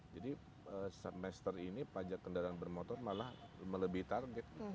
jadi semester ini pajak kendaraan bermotor malah melebih target